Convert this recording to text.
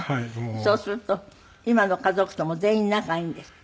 そうすると今の家族とも全員仲がいいんですって？